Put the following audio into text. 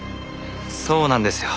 そうなんですよ。